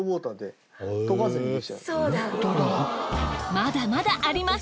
まだまだあります